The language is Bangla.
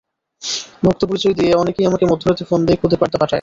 ভক্ত পরিচয় দিয়ে অনেকেই আমাকে মধ্যরাতে ফোন দেয়, খুদে বার্তা পাঠায়।